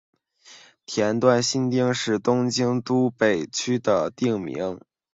田端新町是东京都北区的町名。